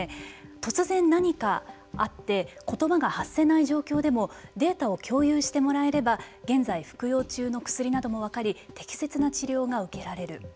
突然何かあってことばが発せない状況でもデータを共有してもらえれば現在服用中の薬なども分かり適切な治療が受けられる。